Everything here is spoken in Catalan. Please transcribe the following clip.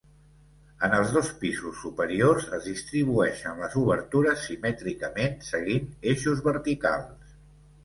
En els dos pisos superiors es distribueixen les obertures simètricament seguint eixos verticals.